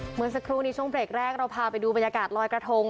เมื่อสักครู่นี้ช่วงเบรกแรกเราพาไปดูบรรยากาศลอยกระทง